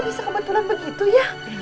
bisa kebetulan begitu ya